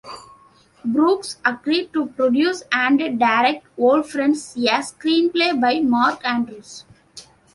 Brooks agreed to produce and direct "Old Friends", a screenplay by Mark Andrus.